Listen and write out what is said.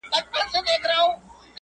يو يمه خو.